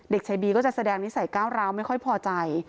เด็กชายบีก็จะแสดงนิสัยก้าวร้าวไม่ค่อยพอใจ